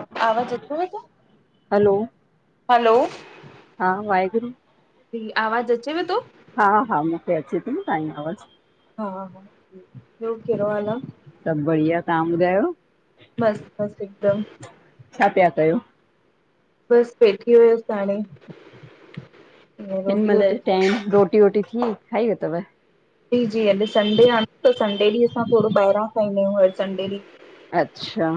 ब [inaudible] आवाज़ अचेव तो हलो हा वाहेगुरु जी आवाज़ अचेव तो हा हा मूंखे अचे थी न तव्हांजी आवाज़ु हा हा ॿियो केहिड़ो हाल आहे सभु बढ़िया तव्हां ॿुधायो मस्त मस्त हिकदम छा पिया कयो बस वेठी हुयसि हाणे हिन रोटी वोटी महिल खाई टाइम रोटी वोटी थी खाई वथव जी जी अे संडे आ न त संडे ॾींं असां थोरो ॿाहिरां खाईंदा आहियूं संडे ॾींहुं अच्छा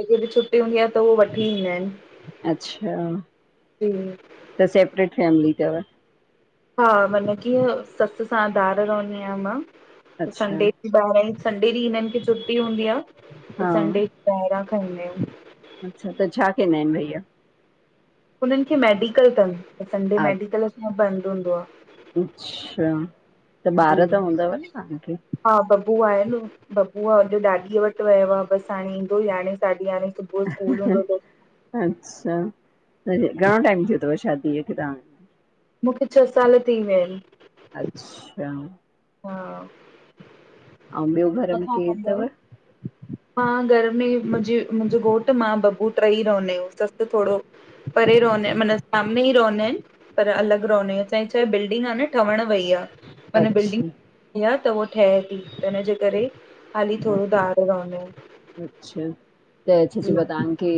इस्कूल जी छुटी हूंदी आहे त उहो वठी ईंदा आहिनि अच्छा जी त सेपरेट फैमिली अथव हा माना कीअं ससु सां धार रहंदी आहियां मां अच्छा संडे क ॿाहिरां संडे ॾींहुं हिननि खे छुट्टी हूंदी आहे त हा संडे ॿाहिरां खाईंदा आहियूं अच्छा त छा कंदा आहिनि भैया हुननि खे मेडिकल अथनि त संडे मेडिकल सां [unintelligible] बंदि हूंदो आहे अच्छा त ॿार त जी हूंदव न तव्हांखे हा बबु आहे न बबू आहेॼो ॾाॾीअ वटि वियो आहे बसि हाणे ईंदो ई हे साढीे याहरे उहो स्कूल हूंदो आ त अच्छा त घणो टाइम थियो अथव शादीअ खे तव्हां मूंखे छह साल थी विया आहिन अच्छा हा ऐं ॿियो घर त में छा केरु कंदा आहियो? अथव मां घर में मुंहिंजी मुंहिंजो घोट मां बबु टई रहंदा आहियूं ससु थोरो परे रोहे मताना सामे ई [unintelligible] रहंदा आहिनि पर अलॻि रहंदा आहिन असांजी छाहे बिल्डिंग आहे न ठहण वई आहे माना बिल्डिंग अच्छा इ त उहा ठहे थी इनजे करे हाली थोरो धार रहंदा आहिन अच्छा त छा चइबो न तव्हांखे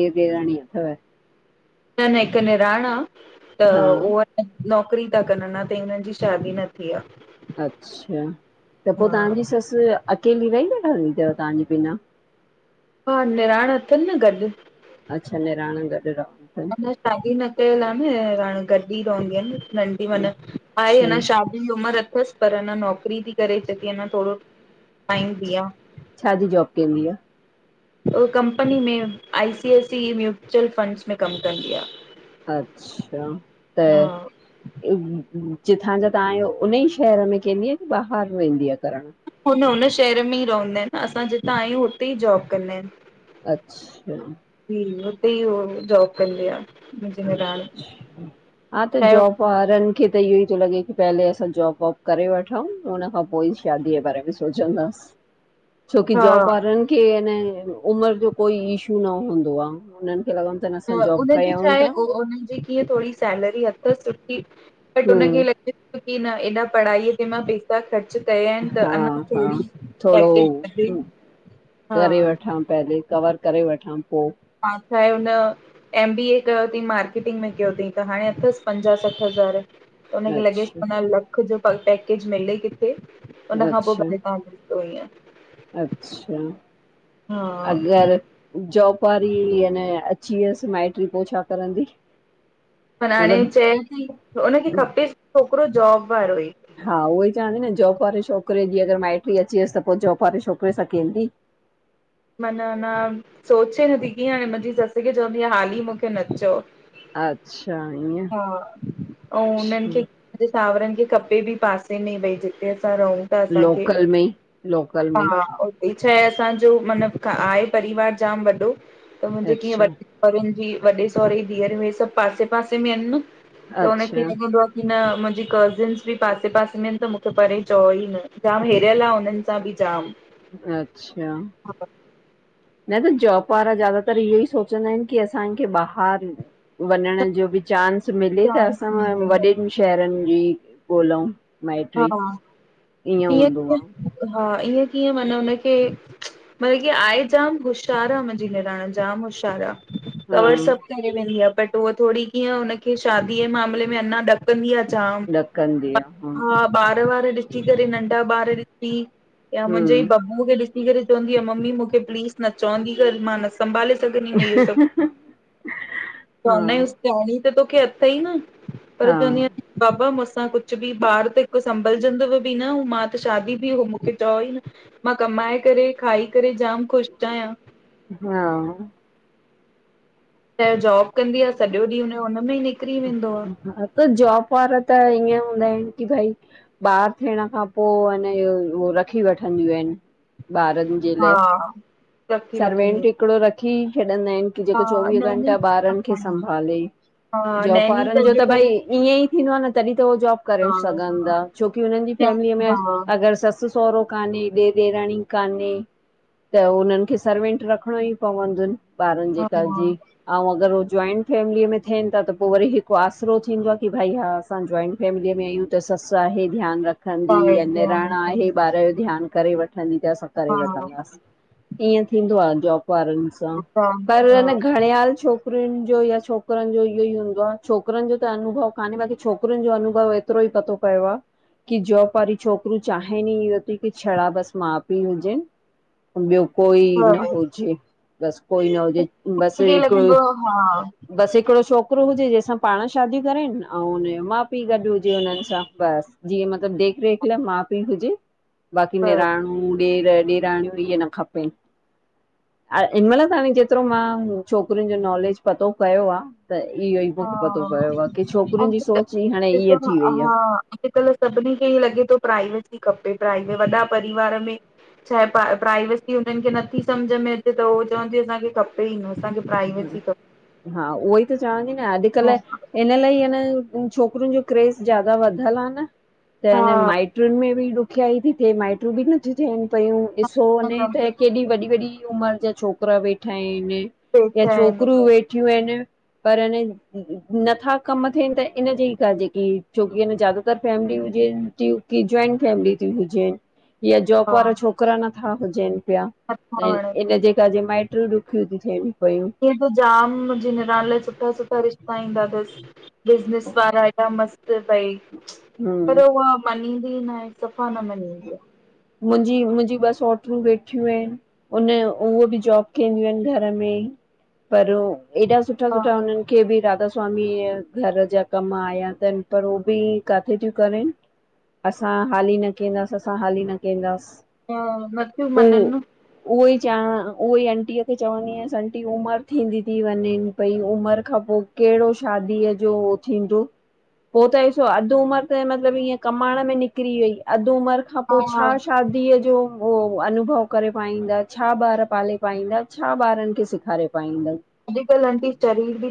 ॾेर ॾेराणी अथव न हिकु निराण आहे त हा उहा नौकरी था कनि अञा ताईं हुननि जी शादी न थी आहे अच्छा, त पोइ तव्हांजी ससु अकेली [unintelligible] वठदी थव तव्हांजी बिना? हा निणान अथनि न गॾु। अच्छा निणान गॾु रहन्दी थन। त शादी न कयल आह न हाण गॾ ई रहंदी नंढी माना आहे अच्छा हना शादी दी उमिरि अथसि पर अञ नौकिरी थी करे चय ती अन्ना थोरो टाइम बि आह। छा जी जॉब केंदी आह? उह कंपनी में I C I C mutual funds में कमु कंदी आह। अच्छा त जिथां जा तव्हांजो उन ई शहर में कंहिंदी की ॿाहिरि वेंदी आ करणु हुन, हुन शहर में ई रवन्दा आहिनि असां जितां आहियूं हुते ई जॉब कंदा आहिन। अच्छा। [unintelligible] हुते ई हो जॉब कंदी आ। मुंहिंजी निणान। अच्च्, हा त चाहे जॉब ॿारनि खे त इहो ई थो लॻे की पेहले असां जॉब वॉब करे वठूं उन खां पोइ ई शादी बारे बि सोचंदास छो की जॉब हा वारनि की अ न उमिरि जो कोई इशू न हूंदो आह उन्हनि खे लॻंदो त न असां जॉब कयऊ उह हुनन जी कीअं थोरी सैलरी अथसि सुठी बट हुनखे हम्म लॻे की न हेॾा पढ़ाईअ ते मां बे पर ख़र्च कया आहिनि त हा अञा हा थोरी थोड़ो पैकेट [unintelligible] करे वठां पेहले कवर करे वठां पोइ हा छा आहे हुन एम बी ए कयो थईं मार्केटिंग में कयो थई त हाणे अथसि पंजाहु सठि हज़ार। हुनखे लॻेसि अच्छा प लख जो प पैकेज मिले किथे हुनन खां पोइ अच्छा भले तव्हांखे [unintelligible] [unintelligible] अच्छा हा अगरि जॉब वारी यान अची वियसि माइटी पोइ छा करंदी? पर हाणे मतिलबु चएन थी हुनखे खपेसि छोकिरो जॉब वारो ई। हा उहो ई चवंदी न जॉब वारे छोकिरे जी अगरि माइटी अची वियुसि त पोइ जॉब वारे छोकिरे सां कें? मन न सोचे नथी कीअं हाणे मुंहिंजी ससु खे चवंदी आह, हाली मूंखे न चओ। अचछा ईअं। हा ऐं उन्हनि अच्छा। खे हिते सावरनि खे खपे बि पासे में भई जिते असां रहूं। त असांखे लोकल में ई, लोकल में ई, हा हि छा आहे असांजो मतलबु आहे परिवार जाम वॾो त मुंहिंजे कीअं वॾ अच्छा, वरनि जी, वॾे सोहरे ई धीअरूं हे सभु पासे पासे में आहिनि न त हुनखे अच्छा, लॻंदो आह की न मुंहिंजी कज़िन्स बि पासे पासे में आहिनि त मूंखे परे चओ ई न, ॼाम हिरियल आह हुननि [unintelligible] बि जाम अच्छा। हा न त जॉब वारा ज्यादातर इहो ई सोचंदा आहिनि कि असांखे ॿाहिरि वञण जो बि चांस मिले त चांस असां मिले वॾिन शहरनि जी ॻोल्उ। हा, ईअ हूंदो आ, कीअं हा ईअं कीअं माना हुनखे मतलबु कि आहे जाम होश्यार आह, मुंहिंजी निणान जाम होश्यार आह हा कवर सभु करे वेंदी आहे बट उहा थोरी कीअं हुनखे शादीअ जे मामले में अञा ॾकंदी आह ॼाम। ॾईंदी आह। हा ॿार वार ॾिसी करे नंढा ॿार ॾिसी या मुंहिंजे ई हम्म ब मुखे ॾिसी करे चवंदी आ, मम्मी मुखे प्लीज़ न चवंदी कर मां न सि संभाले सघंदीमै इहो सभु त हा हुने ॾेराणी त तोखे अथई न, पर हा चवंदी आ बाबा मुसां कुछ बि ॿारि त हिकु संभलिजंदवु बि न, हू मां त शादी बि हु मूंखे चओ ई न। मां कमाए करे, खाई करे जामि ख़ुशि आहियां। हा त जॉबु कंदी आ, सॼो ॾींहुं हुनजो हुनमें में ही निक हा त जॉबु वारा त ईअं हूंदा आहिनि की भई ॿारि थियणु खां पोइ अनि, इओ रखी वठंदियूं आहिनि, ॿारनि जे लाइ हा रखी सर्वेंट वठंदी हिकिड़ो रखी छॾंदा आहिनि, की आहियां। जेको हा चोवीह नैनी घंटा ॿारनि खे हा संभाले। हा जॉबु नैनी वारनि जो त भई अॼुकल्ह ईअं ई थींदो आ न, तॾहिं त उहे जॉबु करे हा सघंदा। हा छोकी हुननि जी फैमिलीअ में हा अगरि ससु- सओरो कान्हे ॾेर- ॾेराणी कान्हे, त उन्हनि खे सर्वेंट रखिणो ई पवंदुनि। ॿारनि हा जे कर जी। अऊं अगरि हो जॉइंट फैमिलीअ में थियनि ता त पोइ वरी हिकु आसरो थींदो आ की भई हा। असां जॉइंट फैमिलीअ में आहियूं त ससु आहे ध्यानु रखंदी आहे या हा हा निराणु आहे हा ॿारि जो ध्यानु करे वठंदी त असां करे वठंदासीं। ईअं थींदो आ जॉबु वारनि सां, परु घणे हालि छोकिर छोकिरियुनि जो या छोकिरनि जो इहो ई हूंदो आ। छोकिरनि जो त अनुभव कान्हे, बाक़ी छोकिरियुनि जो अनुभव ऐ ऐतिरो ई पतो पयो आ। की जॉबु वारी छोकरियुं चाहिनि न इयो ती की, छड़ा बसि माउ- पीउ हुजनि। ॿियो कोई न हुजे- बस कोई न हुजे बसि हिकु हा बसि हिकिड़ो छोकिरो हुजे, जंहिंसां पाणु शादियूं करनि अऊं हुनजो माउ- पीउ गॾु हुजे हुननि सां, बसि। जीअं मतिलबु देख- रेख लाइ माउ -पीउ हुजे, बाक़ी निणानु अऊं ॾेर- ॾेराणियूं इअ न खपेन। हिनि महिलु ताणि जेतिरो मां छोकिरियुनि जो नॉलेजु पतो कयो आ। त इहो ई मुखे पतो पियो आ की, हा छोकिरियुनि जी सोचु ई हाणे ईअ थी वई आ। अॼुकल्हि सभिनी खे ईअं लॻे तो, प्राइवेसी खपे प्राइवे वॾा परिवारु में चाहे प प्राइवेसी हुननि खे नथी सम्झि में अचे त उहो चवंतियुं असांखे खपे ही न, असांखे प्राइवेसी खपे। हा उहो ई त चवातीं न अॼुकल्हि इन लाइ हनि छोकिरियुंन जो क्रेज़ ज्यादा वधियलु आ न, त इन हा माइट ट्रिन में बि ॾुखियाई ती थिए, माईटियुं बि न न ती थियनि पियूं, ॾिसो वञे त केॾी वॾी- वॾी उमिरि जा छोकिरा वेठा आहिनि। या पैसा आहिनि छोकरियूं उहे, वेठियूं आहिनि। परु अनि नथा कमु थियनि त इनजेईअ करे, जेकी छोकिरी अनि जाग सभु फैमिली हुजेन तियुं की, जॉइंट फैमिली ती हुजेनि। या जॉबु हा वारा छोकिरा नथा हुजेनि पिया, नथा त वणनि इनजे करजे मा इटियुन ॾुखियूं थी थियेनि पयूं। ईअं त जामि मुंहिंजी निणानु लाइ सुठा- सुठा रिश्ता ईंदा तसि। बिज़नेस वारा हेॾा मस्तु पई। हम्म पर उहा मञींदी न आहे, सफ़ा न मञींदी आ। मुंहिंजी मुंहिंजी ॿ सोइट्रियुं वेठियूं आहिनि। उन उहो बि जॉब कंदियूं आहिन घर में पर एॾा सुठा सुठा आहे उन्हनि के बि राधा स्वामीअ, घर जा कम आया अथनि पर उह बि काथे थियूं करनि असां हाली न केंदास असां हाली न केंदासि। हा नथियूं मननि न। उहो ई चयां उहो ई आंटीअ खे चवंदी हुयसि आंटी उमिरि थींदी ति वञेन। भई उमिरि खां पोइ कहिड़ो शादीअ जो थींदो। पोइ त ॾिसो अधु उमरि त मतलबु ईअं कमाइण में निकिरी वई अधु उमरि खां पोइ हा छा शादी धीअ जो उहो अनुभव करे पाईंदा छा ॿार पाले पाईंदा छा ॿारनि खे सेखारे पाईंदा। अॼुकल्ह आंटी शरीर बि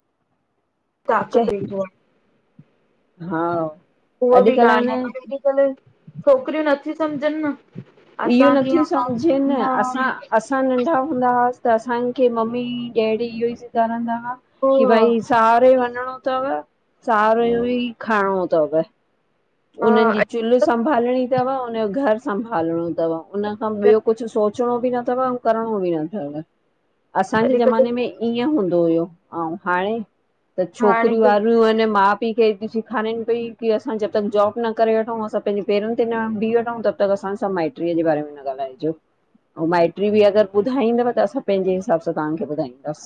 चए ताकत ॾीदो आ। हा उहा बि अॼुकल्ह आहे ॻाल्हि न आ, अॼु कल्ह छोकिरियूं नथी सम्झनि न। इहो असां कीअं नथो असां सम्झेन असांसां न असां नंढा हूंदा हुसीं त असांखे, मम्मी डैडी इहो ई सेखारींदा हुआ पो की भई साहरोए वञणो अथव साहरोए जो ई खाइणो अथव। हा हुनन्हनि जी चुल्हि संभालणी अथव हुनन जो घर संभालणो, अथव हुनन खां ॿियो कुछु सोच अचणो बि न अथव ऐं करिणो बि न अथव असांजे अॼुकल्ह ज़माने में ईअं हूंदो हुयो अउं हाणे त हाणे छोकिरियूं त वारियूं आहिन मा पी खे एॾी सेखारेनि पई की असां जब बि तब तक जॉब न करे वठऊं, असां पंहिंजे पेरनि ते न बी वठूं, तब तक असां सभु माइट्रीअ जे बारे में न ॻाल्हाइजो। ऐं माइटी बि अगरि ॿुधाईंदव त असां पंहिंजे हिसाब सां तव्हांखे ॿुधाईंदास।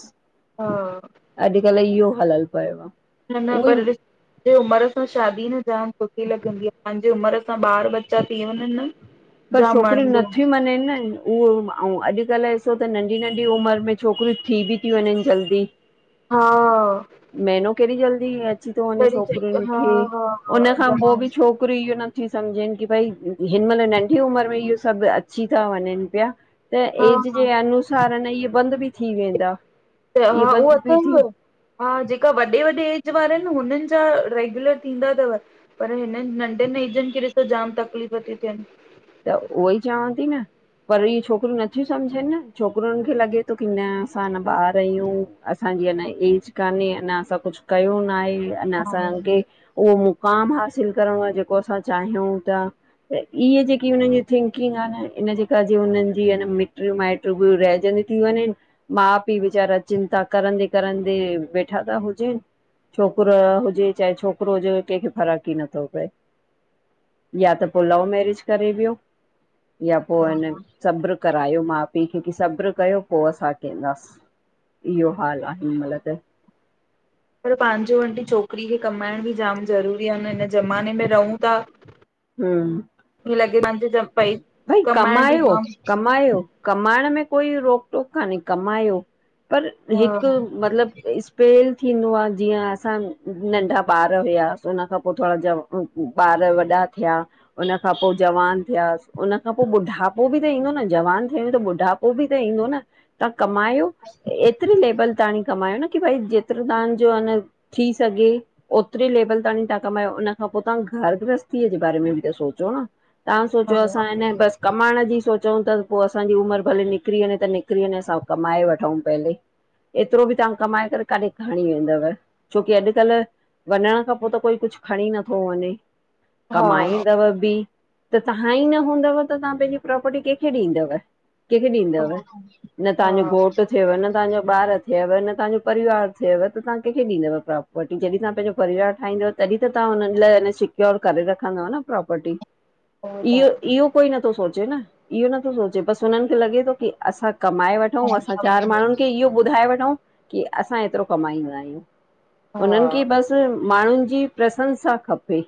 हा, अॼकल्ह इहो हलल पयो आ। न न पर ॾिस उमिरि सां शादी न जाम सुठी लॻंदी आ उमिरि सां ॿार ॿच्चा थी वञनि न। पर जाम छोकिरियूं वणंदो नथी मञेन न। उहो ऐं अॼुकल्ह ॾिसो त नंढी-नंढी उमिरि में छोकिरियूं थी बि थी वञनि जल्दी। हा। महीनो केरी जल्दी अची थो वञे कॾी छोकिरियुनि हा खे हा हा उन खां पोइ जाम, बि छोक छोकरियूं इहो नथी समझनि की भई हिन महिल नं नंढी उमरि में इहो सभु अची था वञिन पिया त हा एज हा जे अनु कारण इहे बंद बि थी वेंदा। त इहे हा उहो बंदि असां बि थी वर हा जेका वॾे-वॾे एज वारा न हुननि जा रेगुलर थींदा अथव। पर हिननि नंढनि एजनि खे ॾिस जाम तकलीफ़ थी थियनि। त उहो ई चवां ती न। पर इ छोकिरियूं, नथियूं सम्झनि न छोकरुनि खे लॻे थो की न असां अञा ॿार आहियूं। असांजी अञा एज कान्हे अञा असां कुछु कयो न आहे अञा हा असांखे उहो मुक़ाम हासिल करणो आ जेको असां चाहियूं था त इहे जेके की हुननि जी थिंकिंग आ न इन जे कजे हुननि जी आन मिटयूं माइटू, बि रहजंदी ती वञनि। माउ, पीउ वेचारा चिंता करं दे करं ते वेठा त हुजेन। छोकिरो हुजे चाहे छोकिरो हुजे कंहिंखे फ़र्क ई नथो पए। या त पो लव मेरिज करे वियो या पो हिन सब्र करायो माउ पीउ खे की सब्र कयो पो असां केंदास इहो हाल आ हिन महिल त। पर पंहिंजो आंटी छोकिरीअ खे कमाइण बि जाम ज़रूरी आ, हिन ज़माने में रहूं ता हूं लॻे पाहिंजे ॼब पई भई कमाइण बि कमायो जाम कमायो कमाइण में कोई रोक टोक कान्हे कमायो पर हा हिकु मतलबु इस् पेल थींदो आ जीअं असां नंढा ॿार हुया हुन खां पो थोड़ा जव ॿार वॾा थिया उन खां पो जवान थिया उन खां पो ॿुढापो बि त ईंदो न जवान थिया अयूं तो बुढापो बी त ईंदो न तव्हां कमायो एतिरी लेवल ताणी कमायो न की भई जेतिरो तव्हांजो अन थी सघे ओतिरी लेवल ताणी तां कमायो उन खां पो तव्हां घर गृहस्थीअ जे बारे में बि त सोचो न तव्हां हा सोचो असां हिन बसि कमाइण जी सोचूं ता त पो असांजी उमिरि भले निकिरी वञे त निकिरी वञे असां कमाए वठऊं पहले एतिरो बि तव्हां कमाए करे काॾे खणी वेंदव छोकी अॼुकल्ह वञण खां पो त कोई कुछ खणी नथो वञे हा हा कमाईंदव बि त तव्हां ई न हूंदव त तव्हां पंहिंजी प्रोपर्टी कंहिंखे ॾींदव? कंहिंखे ॾींदव? उहो न तव्हांजो घोटु थियव न तव्हांजो ॿार थियव न तव्हांजो परिवार थियव त तव्हांं‌ कहिंखे ॾींदव प्रॉपर्टी जॾहिं तव्हां पंहिंजो परिवार ठाहींदव तॾहिं त तव्हां हुननि लाइ हन सिक्योर करे रखंदव न प्रोपर्टी त इहो इहो कोई नथो सोचे न इहो नथो सोचे बसि हुननि खे लॻे थो की असां कमाए वठ आहे वठऊं असां चार हा माण्हुनि खे इहो ॿुधाए वठऊं की असां एतिरो कमाईंदा आहियूं। हुनननि खे बसि माण्हुनि जी प्रसंसा खपे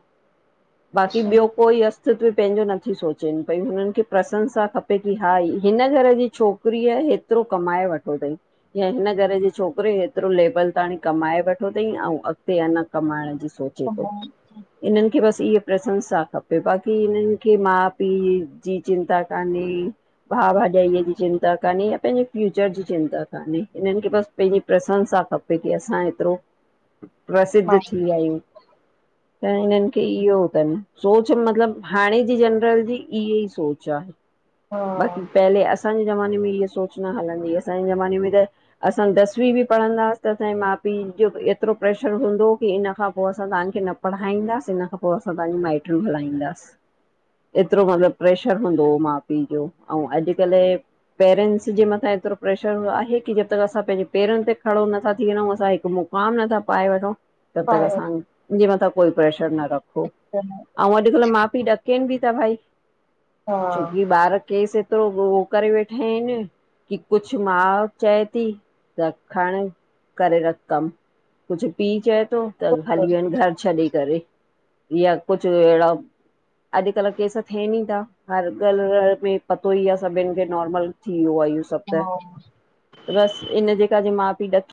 बाक़ी ॿियो कोइ अस सित्व पंहिंजो नथी सोचेनि पईयूं हुननि खे प्रसंनसा खपे की हा ई हिन घर जी छोकिरीअ हित एतिरो कमाए वतो तईं या हिन घर जे छोकरे हेतिरो लेबल ताणी कमाए वतो तईं अऊं अॻिते आन कमाइण जी सोच [unintelligible] इन्हनि खे बसि इह प्रसंसा खपे बाक़ की हिननि खे माउ पीउ जी चिंता कान्हे भाउ भाॼाईअ जी चिंता कान्हे या पंहिंजे फ्यूचर जी चिंता कान्हे हिननि खे बसि पंहिंजी प्रसंसा खपे की असां एतिरो प्रसिद्ध थी वया यूं त हिननि खे इहो तनि सोच मतलबु हाणे जी जनरल जी इह ई सोच आ बाक़ी पहले असांजे ज़माने में इीअ सोच न हलंदी ही असांजे ज़माने में त असां दसवीं बि पढ़ंदाास त असांजे माउ पीउ जो एतिरो प्रेशर हूंदो की हिनन खां पो असां तव्हांखे न पढ़ाईंदास हिन खां पो असां तव्हांजी‌ माइट्रीयूं हलाईंदास एतिरो मतिलबु प्रेशर हूंदो हो माउ पीउ जो ऐं अॼुकल्ह पेरेंट्स जे मथां एतिरो प्रेशर आहे कि जब तक असां पंहिंजे पेरं ते खड़ो नथा थी वञूं असां हिकु मुक माम नथा पाए वठो जबतक असां जे मथां कोई प्रेशर न रखो अऊं अॼुकल्ह मा बी ॾकेनि बि था भाई हा छोकी ॿार केस तिरो ॻो करे वेठा आहिनि की कुछ माउ चए थी त खण करे रख कमि कुझु पीउ चए थो त हा हली वनि घर छॾे करे या कुझु अहिड़ा अॼुकल्ह केस थियनि ई था। हर ॻलर् में पतो ई आहे सभिनि खे नॉर्मल थी वियो आहे इयो स सॿ त बस इन जेका जे माउ पीउ ॾकी